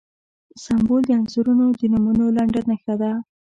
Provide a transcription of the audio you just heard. سمبول د عنصرونو د نومونو لنډه نښه ده.